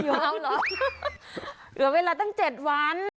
เหลือเวลาตั้ง๗วัน